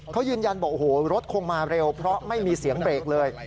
เขายืนยันบอกโอ้โหรถคงมาเร็วเพราะไม่มีเสียงเบรกเลย